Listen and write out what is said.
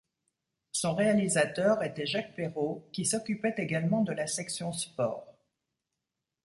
Son réalisateur était Jacques Perrot, qui s'occupait également de la section sports.